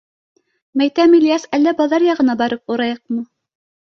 Мәйтәм, Ильяс, әллә баҙар яғына барып урайыҡмы?